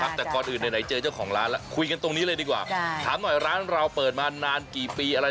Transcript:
และดูนี่แกะกันแบบสดเลยนะครับคุณผู้ชมครับ